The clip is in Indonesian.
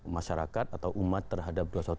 masyarakat atau umat terhadap dua ratus dua belas